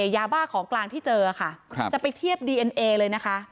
ยาบ้าของกลางที่เจอค่ะจะไปเทียบดีเอ็นเอเลยนะคะ